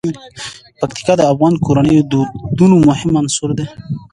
پکتیا د افغان کورنیو د دودونو مهم عنصر دی.